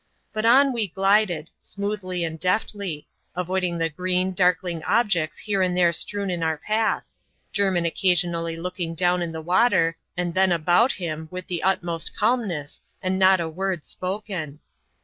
But on we glided — smoothly and deftly ; ayoidiDg the green, darkling objects here and there strewn in our path : Jermin occasionally looking down in the water, and then about him, with the utmost calmness, and not a word spoken.